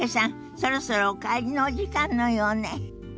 そろそろお帰りのお時間のようね。